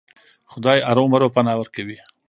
خدای ارومرو پناه ورکوي.